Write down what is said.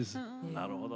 なるほど。